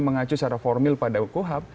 mengacu secara formil pada kuhap